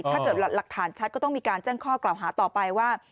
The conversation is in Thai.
ถ้าเกิดหลักฐานชัดก็ต้องมีการแจ้งข้อกล่าวหาต่อไปว่า